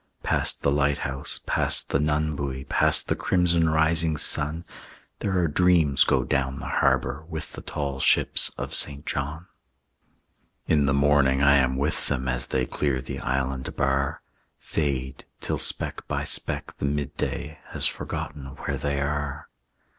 Past the lighthouse, past the nunbuoy, Past the crimson rising sun, There are dreams go down the harbor With the tall ships of St. John. In the morning I am with them As they clear the island bar, Fade, till speck by speck the midday Has forgotten where they are.